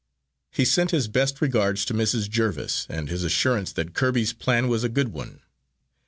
He sent his best regards to Mrs. Jerviss, and his assurance that Kirby's plan was a good one.